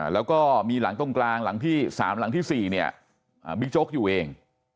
แล้วก็มีหลังตรงกลางหลังที่๓หลังที่๔เนี่ยบิ๊กโจ๊กอยู่เอง